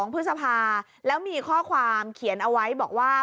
พฤษภาแล้วมีข้อความเขียนเอาไว้บอกว่า